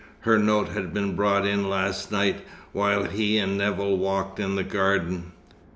Her note had been brought in last night, while he and Nevill walked in the garden.